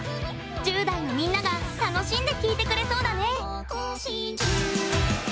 １０代のみんなが楽しんで聴いてくれそうだね。